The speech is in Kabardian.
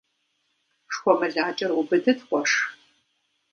ШхуэмылакӀэр убыдыт, къуэш.